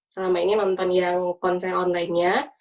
selama ini nonton yang konser online nya